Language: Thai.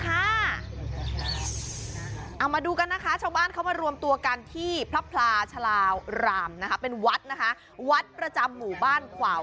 เอามาดูกันนะคะชาวบ้านเขารวมตัวกันที่พระพลาชลาวรามและเป็นวัดพระจัมมุบ้านขวาว